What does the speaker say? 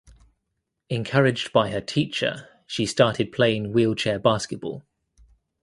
Encouraged by her teacher she started playing wheelchair basketball.